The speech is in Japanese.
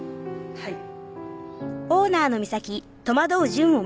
はい。